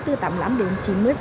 từ tầm năm đến chín mươi